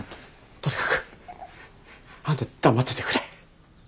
とにかくあんた黙っててくれ。